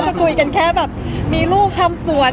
หรือก็มีลูกทำสวน